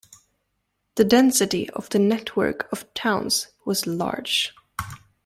The density of the network of towns was large.